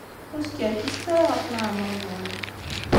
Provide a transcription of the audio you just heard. Ur skerkiset ara ɣef leɛmeṛ-nwen.